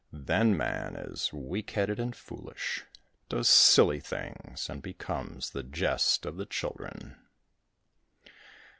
Then man is weak headed and foolish, does silly things, and becomes the jest of the children.